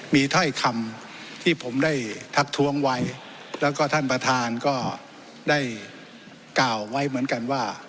มีถ้อยคำที่ผมได้ทักท้วงไว้แล้วก็ท่านประธานก็ได้กล่าวไว้เหมือนกันว่า